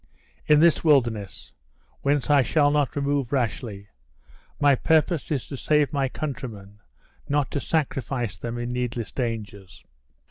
"In this wilderness, whence I shall not remove rashly. My purpose is to save my countrymen, not to sacrifice them in needless dangers."